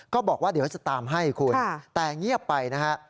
ก็บอกว่าเดี๋ยวจะตามให้คุณแต่เงียบไปนะฮะ